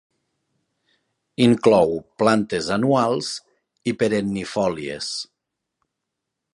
Inclou plantes anuals i perennifòlies.